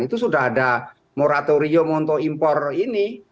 itu sudah ada moratorium untuk impor ini